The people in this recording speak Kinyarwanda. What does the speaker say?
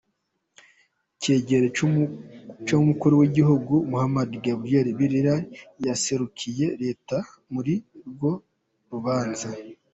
Icegera c'umukuru w'igihugu Mohamed Gharib Bilal yaserukiye leta muri urwo rubanza.